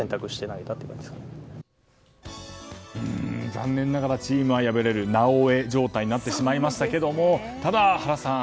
残念ながらチームは敗れる「なおエ」状態になってしまいましたがただ、原さん。